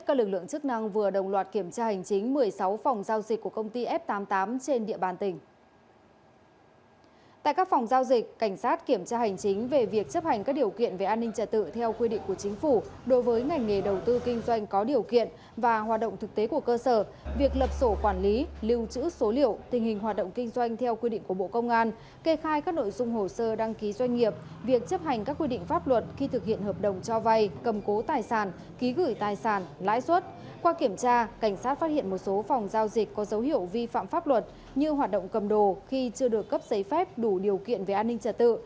qua kiểm tra cảnh sát phát hiện một số phòng giao dịch có dấu hiệu vi phạm pháp luật như hoạt động cầm đồ khi chưa được cấp giấy phép đủ điều kiện về an ninh trả tự